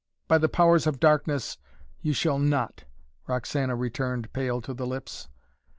"By the powers of darkness, you shall not!" Roxana returned, pale to the lips.